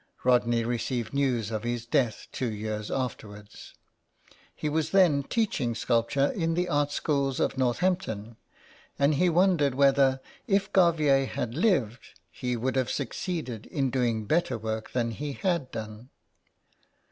Rodney received news of his death two years after wards. He was then teaching sculpture in the art schools of Northampton, and he wondered whether, if Garvier had lived, he would have succeeded in doing better work than he had done.